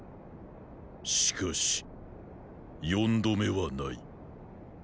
しかし四度目はない！